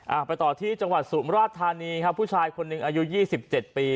ไปต่อที่จังหวัดสุมราชธานีครับผู้ชายคนหนึ่งอายุยี่สิบเจ็ดปี